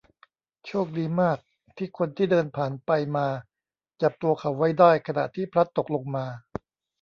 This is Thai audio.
โชคดีมากที่คนที่เดินผ่านไปมาจับตัวเขาไว้ได้ขณะที่พลัดตกลงมา